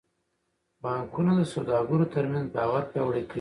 بانکونه د سوداګرو ترمنځ باور پیاوړی کوي.